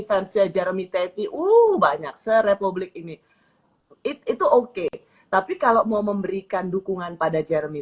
fansnya jeremy teti uh banyak se republik ini itu oke tapi kalau mau memberikan dukungan pada jeremy